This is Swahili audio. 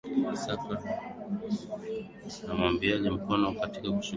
saka uungwaji mkono katika kushughulikia